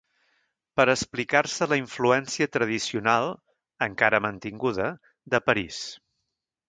Per explicar-se la influència tradicional, encara mantinguda, de París.